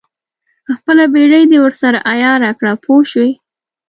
خپله بېړۍ دې ورسره عیاره کړه پوه شوې!.